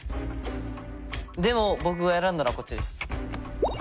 でも僕が選んだのはこっちです。